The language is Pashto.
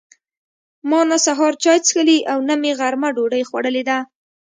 ما نه سهار چای څښلي او نه مې غرمه ډوډۍ خوړلې ده.